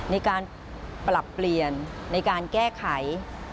ในการปรับเปลี่ยนในการแก้ไข